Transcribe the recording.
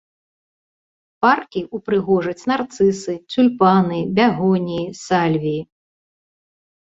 Паркі ўпрыгожаць нарцысы, цюльпаны, бягоніі, сальвіі.